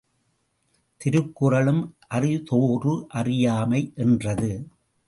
திருக்குறளும் அறிதோறு அறியாமை என்றது.